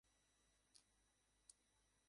একজন জুনিয়র হাইস্কুলের শিক্ষক ছিল।